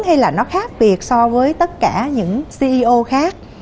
hay là nó khác biệt so với tất cả những co khác